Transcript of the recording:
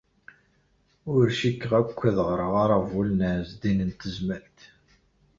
Ur cikkeɣ akk ad ɣreɣ aṛabul n Ɛezdin n Tezmalt.